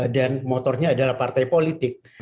dan motornya adalah partai politik